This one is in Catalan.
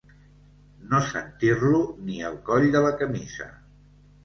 No sentir-lo ni el coll de la camisa.